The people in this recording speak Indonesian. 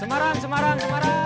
semarang semarang semarang